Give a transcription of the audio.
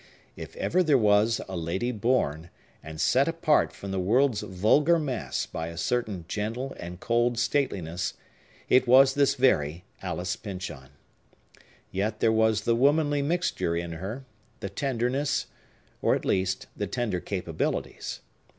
If ever there was a lady born, and set apart from the world's vulgar mass by a certain gentle and cold stateliness, it was this very Alice Pyncheon. Yet there was the womanly mixture in her; the tenderness, or, at least, the tender capabilities.